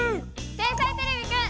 「天才てれびくん」！